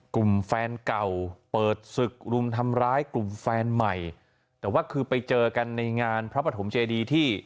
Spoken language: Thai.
กลุ่มแฟนเก่าเปิดศึกรุมทำร้ายกลุ่มแฟนใหม่แต่ว่าคือไปเจอกันในงานพระปฐมเจดีที่